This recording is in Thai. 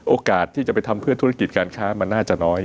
โอกาสที่จะไปทำเพื่อธุรกิจการค้ามันน่าจะน้อย